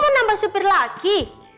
ibu mau nambah supir lagi